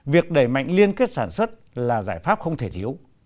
việc đẩy mạnh liên kết sản xuất là giải pháp không thể thiếu